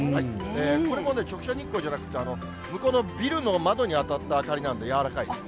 これも直射日光じゃなくて、向こうのビルの窓に当たった明かりなんで柔らかいんです。